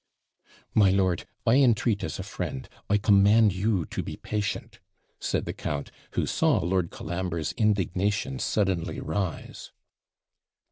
'My lord, I entreat as a friend I command you to be patient,' said the count, who saw Lord Colambre's indignation suddenly rise.